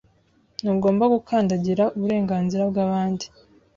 Ntugomba gukandagira uburenganzira bwabandi.